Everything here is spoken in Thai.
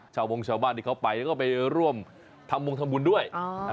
วงชาวบ้านที่เขาไปแล้วก็ไปร่วมทำวงทำบุญด้วย